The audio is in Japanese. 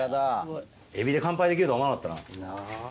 エビで乾杯できるとは思わなかったな。